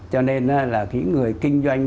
cho nên là khi người kinh doanh